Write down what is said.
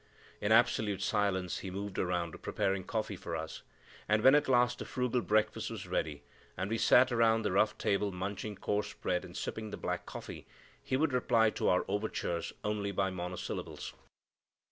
In absolute silence he moved around, preparing coffee for us; and when at last the frugal breakfast was ready, and we sat around the rough table munching coarse bread and sipping the black coffee, he would reply to our overtures only by monosyllables.